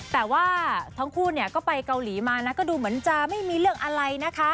แต่ว่าทั้งคู่เนี่ยก็ไปเกาหลีมานะก็ดูเหมือนจะไม่มีเรื่องอะไรนะคะ